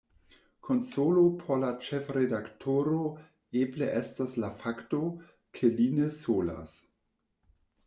Konsolo por la ĉefredaktoro eble estas la fakto, ke li ne solas.